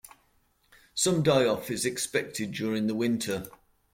Some die-off is expected during the winter.